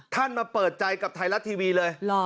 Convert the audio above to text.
มาเปิดใจกับไทยรัฐทีวีเลย